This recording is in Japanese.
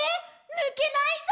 ぬけないぞ！！」